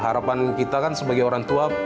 harapan kita kan sebagai orang tua